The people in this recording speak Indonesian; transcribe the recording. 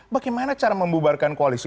bagaimana cara membubarkan koalisi